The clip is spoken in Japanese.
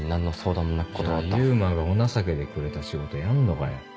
じゃあ勇馬がお情けでくれた仕事やんのかよ？